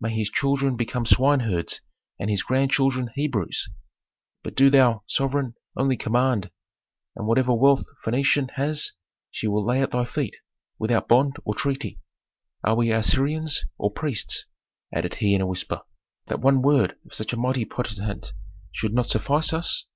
May his children become swineherds and his grandchildren Hebrews. But do thou, sovereign, only command, and whatever wealth Phœnicia has she will lay at thy feet without bond or treaty. Are we Assyrians or priests," added he in a whisper, "that one word of such a mighty potentate should not suffice us?"